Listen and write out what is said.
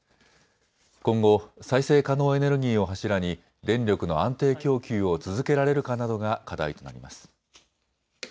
今後、再生可能エネルギーを柱に電力の安定供給を続けられるかなどが課題となります。